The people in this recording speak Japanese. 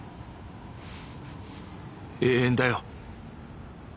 永遠だよ。